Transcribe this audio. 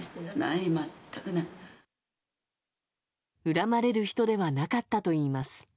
恨まれる人ではなかったといいます。